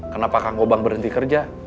kenapa kang gobang berhenti kerja